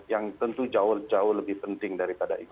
yang tentu jauh jauh lebih penting daripada itu